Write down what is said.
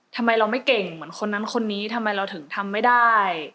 ทำไมเราไม่เก่งเหมือนคนนั้นคนนี้ทำไมเราถึงทำไม่ได้